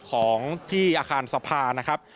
ของที่อาคารสภานะครับ